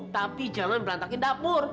tapi jangan berantakin dapur